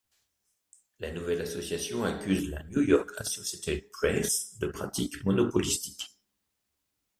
La nouvelle association accuse la New York Associated Press de pratiques monopolistiques.